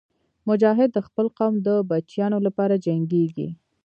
مجاهد د خپل قوم د بچیانو لپاره جنګېږي.